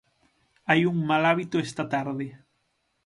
Hai un mal hábito esta tarde.